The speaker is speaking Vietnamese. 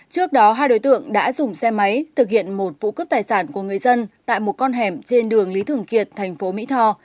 trước đó hai đối tượng đã dùng xe máy thực hiện một vụ cướp tài sản của người dân tại một con hẻm trên đường lý thường kiệt thành phố mỹ tho